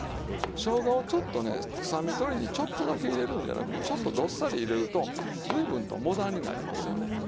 しょうがをちょっとね臭み取りにちょっとだけ入れるんじゃなくてちょっとどっさり入れると随分とモダンになりますよね。